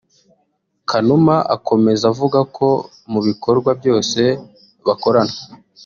Kanuma akomeza avuga ko mu bikorwa byose bakorana